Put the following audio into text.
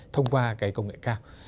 thông qua cái công nghệ cao